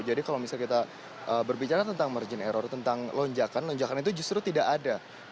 jadi kalau misalnya kita berbicara tentang margin error tentang lonjakan lonjakan itu justru tidak ada